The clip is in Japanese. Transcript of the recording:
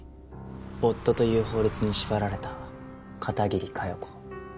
夫という法律に縛られた片桐佳代子。